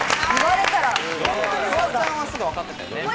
フワちゃんはすぐわかってたよね。